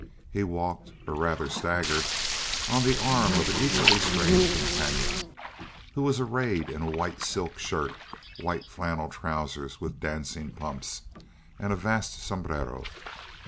He walked, or rather staggered, on the arm of an equally strange companion who was arrayed in a white silk shirt, white flannel trousers, white dancing pumps, and a vast sombrero!